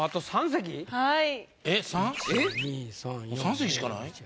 ３席しかない。